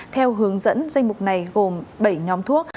theo hướng dẫn danh mục này gồm bảy nhóm thuốc